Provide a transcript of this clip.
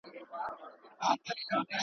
د تاریخي کرنې حاصلات د ژمي لپاره ساتل کېدل.